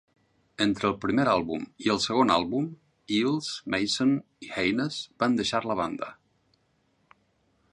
Entre el primer àlbum i el segon àlbum, Eels, Mason i Hayness van deixar la banda.